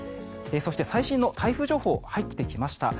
そして、最新の台風情報が入ってきました。